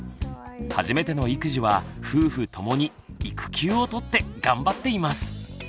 初めての育児は夫婦ともに育休をとって頑張っています！